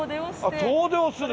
あっ遠出をする。